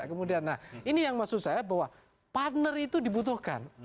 kemudian nah ini yang maksud saya bahwa partner itu dibutuhkan